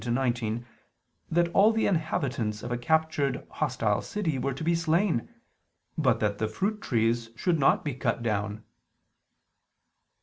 20:13 19) that all the inhabitants of a captured hostile city were to be slain, but that the fruit trees should not be cut down.